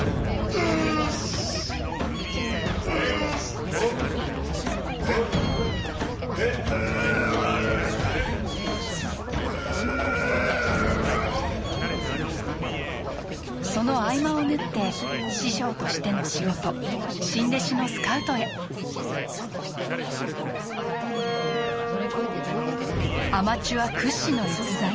ううその合間を縫って師匠としての仕事新弟子のスカウトへアマチュア屈指の逸材